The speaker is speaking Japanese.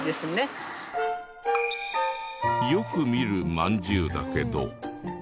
よく見るまんじゅうだけど。